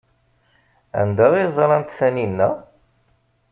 Anda ay ẓrant Taninna?